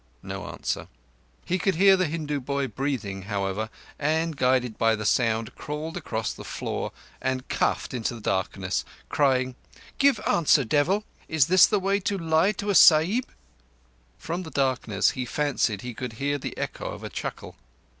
No answer. He could hear the Hindu boy breathing, however, and, guided by the sound, crawled across the floor, and cuffed into the darkness, crying: "Give answer, devil! Is this the way to lie to a Sahib?" From the darkness he fancied he could hear the echo of a chuckle.